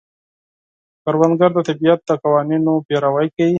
کروندګر د طبیعت د قوانینو پیروي کوي